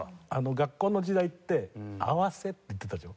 学校の時代って「合わせ」って言ってたでしょ？